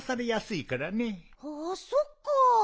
ああそっか。